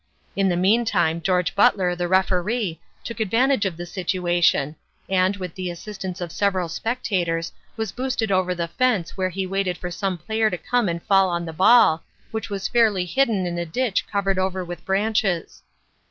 In the meantime George Butler, the Referee, took advantage of the situation and, with the assistance of several spectators, was boosted over the fence where he waited for some player to come and fall on the ball, which was fairly hidden in a ditch covered over with branches.